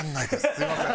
すみません。